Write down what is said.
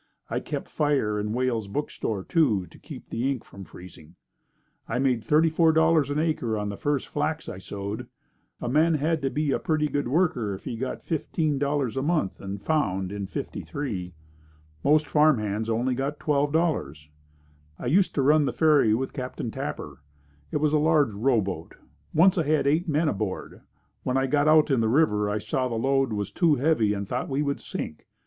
I kept fire in Wales bookstore, too, to keep the ink from freezing. I made $34.00 an acre on the first flax I sowed. A man had to be a pretty good worker if he got $15.00 a month and found in '53. Most farm hands only got $12.00. I used to run the ferry with Captain Tapper. It was a large rowboat. Once I had eight men aboard. When I got out in the river, I saw the load was too heavy and thought we would sink.